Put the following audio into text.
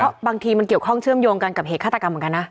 เพราะบางทีมันเกี่ยวข้องเชื่อมโยงกันกับเหตุฆาตกรรมเหมือนกันนะ